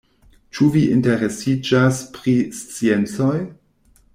Ĉu vi interesiĝas pri sciencoj?